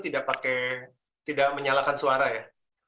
tidak menyalakan suara ya